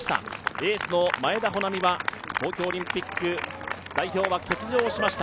エースの前田穂南は東京オリンピック代表は欠場しました。